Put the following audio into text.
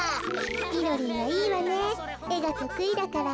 みろりんはいいわねえがとくいだから。